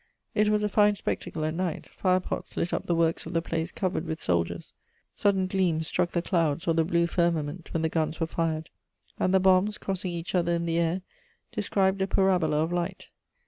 It was a fine spectacle at night: fire pots lit up the works of the place covered with soldiers; sudden gleams struck the clouds or the blue firmament when the guns were fired, and the bombs, crossing each other in the air, described a parabola of light.